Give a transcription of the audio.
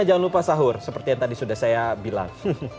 jangan lupa sahur seperti yang tadi sudah saya bilang